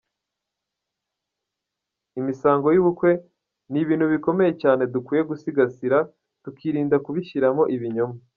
Imisango y’ubukwe ni ibintu bikomeye cyane dukwiye gusigasira, tukirinda kubishyiramo ibinyoma.